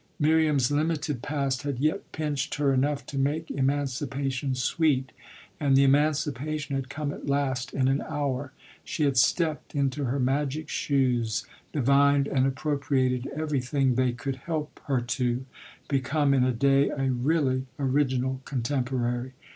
Miriam's limited past had yet pinched her enough to make emancipation sweet, and the emancipation had come at last in an hour. She had stepped into her magic shoes, divined and appropriated everything they could help her to, become in a day a really original contemporary.